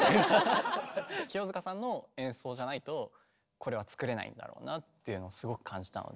清塚さんの演奏じゃないとこれは作れないんだろうなっていうのをすごく感じたので。